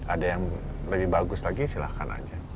ada yang lebih bagus lagi silahkan aja